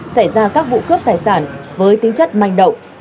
xảy ra các vụ cướp tài sản với tính chất manh động